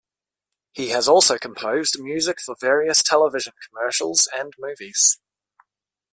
He has also composed music for various television commercials and movies.